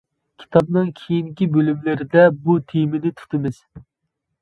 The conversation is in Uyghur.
كىتابنىڭ كېيىنكى بۆلۈملىرىدە بۇ تېمىنى تۇتىمىز.